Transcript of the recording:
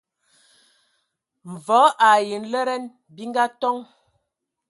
Mvɔ ai nlɛdɛn bi ngatoŋ.